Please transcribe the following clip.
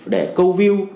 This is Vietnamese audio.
để câu view